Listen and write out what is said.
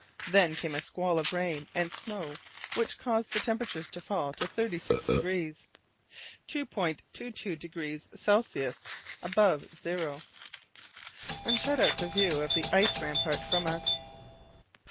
Then came a squall of rain and snow which caused the temperature to fall to thirty six degrees (2°22 C. above zero), and shut out the view of the ice rampart from us.